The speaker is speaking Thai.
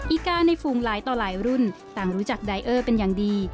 อีกาในฝูงหลายต่อหลายรุ่นต่างรู้จักไดเออร์เป็นอย่างดี